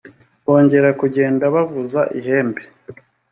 bongera kugenda bavuza ihembe.